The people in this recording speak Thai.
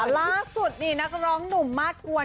ล่าสุดนี่นักร้องหนุ่มมาสกวน